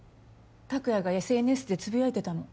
拓也がＳＮＳでつぶやいてたの。